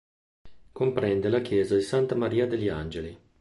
Comprende la chiesa di Santa Maria degli Angeli.